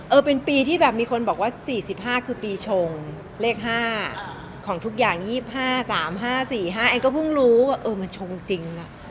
เป็นปีที่แบบมีคนบอกว่า๔๕คือปีชงเลข๕ของทุกอย่าง๒๕๓๕๔๕แอนก็เพิ่งรู้ว่าเออมันชงจริง